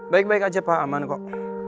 baik baik aja pak aman kok